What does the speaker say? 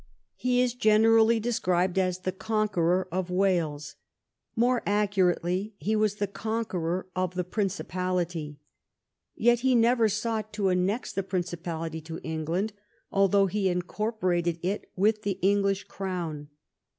He is VI THE CONQUEST OF THE PRINCIPALITY 119 generally described as the conqueror of Wales. More accurately he Avas the conqueror of the Principality. Yet he never sought to annex the Principality to Eng land, although he incorporated it with the English crown.